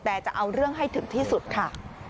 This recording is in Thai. แต่จะเอาเรื่องให้ถึงที่สุดค่ะ